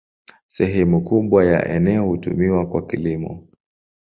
Sehemu kubwa ya eneo hutumiwa kwa kilimo.